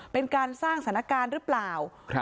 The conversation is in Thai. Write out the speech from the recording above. เป็นการสร้างสถานการณ์หรือเปล่า